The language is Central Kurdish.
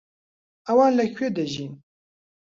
ئەوان لەکوێ دەژین؟